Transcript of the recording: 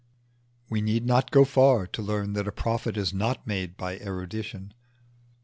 We need not go far to learn that a prophet is not made by erudition.